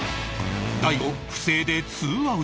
大悟不正でツーアウト